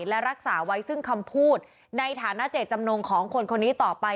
และรักษาไว้ซึ่งคำพูดในฐานะเจตจำนงของคนคนนี้ต่อไป